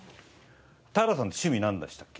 田原さんの趣味なんでしたっけ？